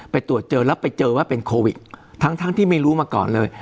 ตรวจเจอแล้วไปเจอว่าเป็นโควิดทั้งทั้งที่ไม่รู้มาก่อนเลย